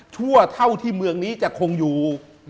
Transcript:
ชั่วเท่าที่เมืองนี้จะคงอยู่